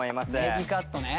ネギカットね。